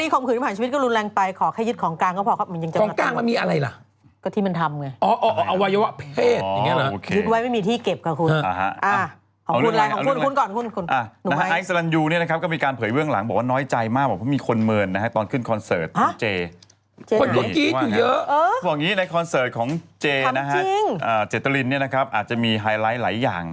ขึ้นใดลงโทษว่าจะแบบไหน